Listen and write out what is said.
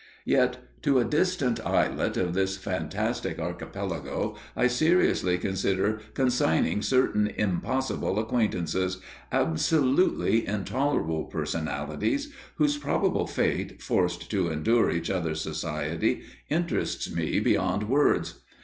Yet, to a distant islet of this fantastic archipelago I seriously consider consigning certain impossible acquaintances, absolutely intolerable personalities, whose probable fate, forced to endure each other's society, interests me beyond words.